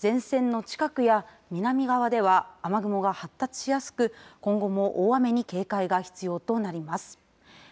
前線の近くや南側では、雨雲が発達しやすく今後も大雨に警戒が必要となります。